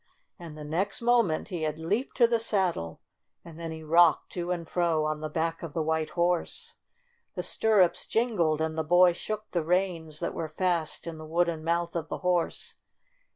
And the next moment he had leaped to the saddle, and then he rocked to and fro on the back of the white horse. The stir rups jingled and the boy shook the reins that were fast in the wooden mouth of the horse.